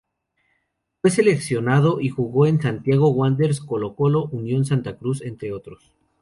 Fue seleccionado y jugó en Santiago Wanderers, Colo-Colo, Unión Santa Cruz, entre otros.